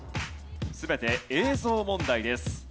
全て映像問題です。